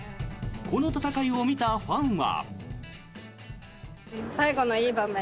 この戦いを見たファンは。